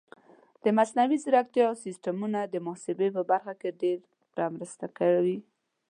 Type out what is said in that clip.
د مصنوعي ځیرکتیا سیستمونه د محاسبې په برخه کې ډېره مرسته کوي.